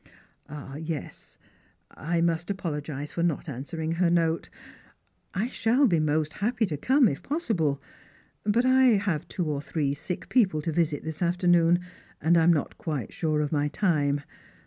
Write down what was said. " Yes, I must apologise for not answering her note I shall be most happy to come, if possible. But I have two or three sick people to visit this afternoon, and I am not quite sure of my time.